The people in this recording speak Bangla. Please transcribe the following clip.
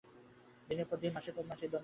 দিনের পর দিন, মাসের পর মাস এই দ্বন্দ্ব চলিল।